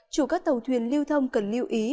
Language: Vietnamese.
chủ các tàu thuyền lưu thông cần lưu ý